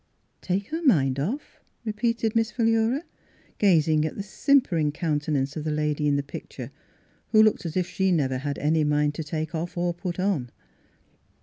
" Take her mind off? " repeated Miss Philura, gazing at the simpering counte Miss Fhilura's Wedding Gown nance of the lady in the picture, who looked as if she never had any mind to take off or put on.